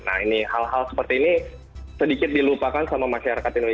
nah ini hal hal seperti ini sedikit dilupakan sama masyarakat indonesia